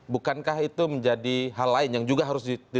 bukankah itu menjadi hal lain yang juga harus ditangkap secara real